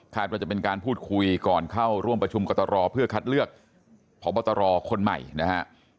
ว่าจะเป็นการพูดคุยก่อนเข้าร่วมประชุมกตรเพื่อคัดเลือกพบตรคนใหม่นะฮะ